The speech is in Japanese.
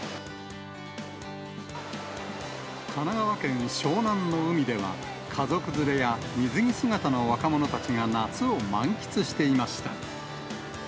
神奈川県湘南の海では、家族連れや水着姿の若者たちが夏を満喫していました。